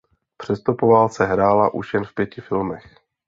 Přesto po válce hrála už jen v pěti filmech.